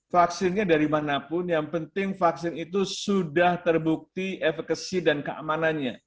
vaksinnya dari manapun yang penting vaksin itu sudah terbukti efekasi dan keamanannya